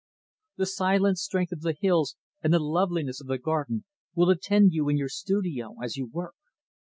The silent strength of the hills, and the loveliness of the garden will attend you in your studio, as you work.